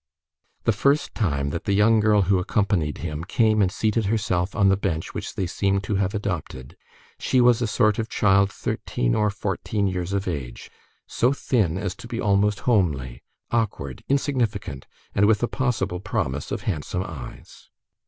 The first time that the young girl who accompanied him came and seated herself on the bench which they seemed to have adopted, she was a sort of child thirteen or fourteen years of age, so thin as to be almost homely, awkward, insignificant, and with a possible promise of handsome eyes.